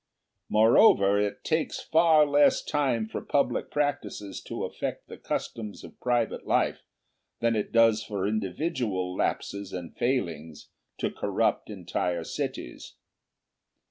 Moreover, it takes far less time for public practices to affect the customs of private life, than it does for individual lapses and failings to corrupt entire cities.